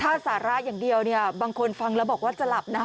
ถ้าสาระอย่างเดียวเนี่ยบางคนฟังแล้วบอกว่าจะหลับนะ